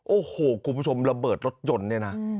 โอ้โหคุณผู้ชมระเบิดรถยนต์เนี่ยนะ